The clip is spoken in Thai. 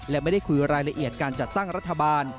และไม่ได้คุยรายละเอียดการจัดตั้งรัฐบาล